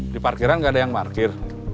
di parkiran nggak ada yang parkir